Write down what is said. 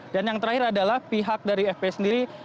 dan yang terakhir adalah pihak dari fp sendiri